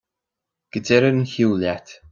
Go deireadh an chiú leat!